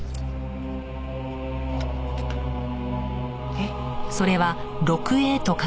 えっ。